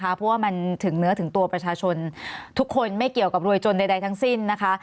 เพราะว่ามันถึงเนื้อถึงตัวประชาชนทุกคนไม่เกี่ยวกับรวยจนใดทั้งสิ้นนะคะ